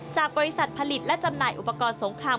จากบริษัทผลิตและจำหน่ายอุปกรณ์สงคราม